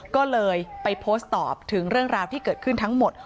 ก็เลยไปโพสต์ตอบถึงเรื่องราวที่เกิดขึ้นทั้งหมด